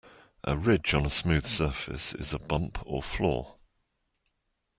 A ridge on a smooth surface is a bump or flaw.